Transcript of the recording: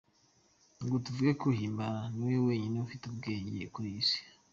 Ubwo tuvuge ko Himba-ra niwe wenyine ufite ubwenge kuriyi isi!